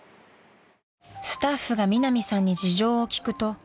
［スタッフがミナミさんに事情を聴くと］